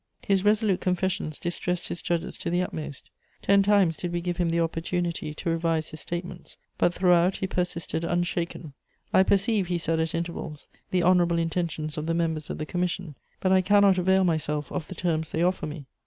"His resolute confessions distressed his judges to the utmost. Ten times did we give him the opportunity to revise his statements, but throughout he persisted unshaken: "'I perceive,' he said at intervals, 'the honourable intentions of the members of the commission; but I cannot avail myself of the terms they offer me.'